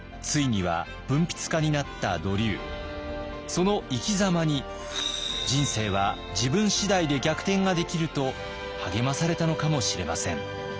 その生きざまに人生は自分次第で逆転ができると励まされたのかもしれません。